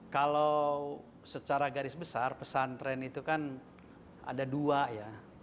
kalau secara garis besar pesantren itu kan ada dua ya